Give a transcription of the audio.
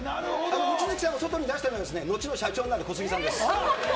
モチヅキさんを外に出したのは、後の社長になる、こすぎさんです。